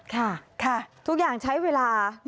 ค่ะค่ะทุกอย่างใช้เวลา